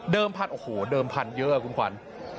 พันธุ์โอ้โหเดิมพันธุ์เยอะคุณขวัญ